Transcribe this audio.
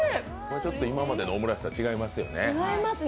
ちょっと今までのオムライスとは違いますよね。